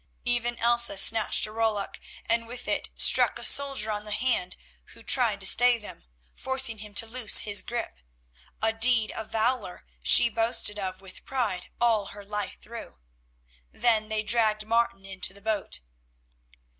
Even Elsa snatched a rollock, and with it struck a soldier on the hand who tried to stay them, forcing him to loose his grip; a deed of valour she boasted of with pride all her life through. Then they dragged Martin into the boat.